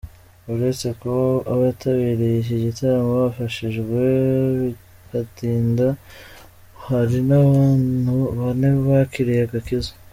Uretse kuba abitabiriye iki gitaramo bafashijwe bigatinda, hari n’abantu bane bakiriye agakiza.